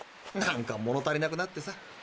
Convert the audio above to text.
なんかもの足りなくなってさ。